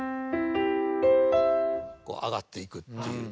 こう上がっていくっていう。